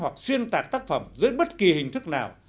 hoặc xuyên tạc tác phẩm dưới bất kỳ hình thức nào